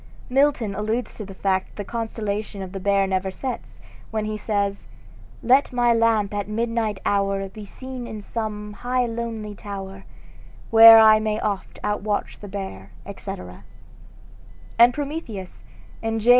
Milton alludes to the fact that the constellation of the Bear never sets, when he says: "Let my lamp at midnight hour Be seen in some high lonely tower, Where I may oft outwatch the Bear," etc. And Prometheus, in J.